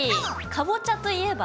かぼちゃといえば？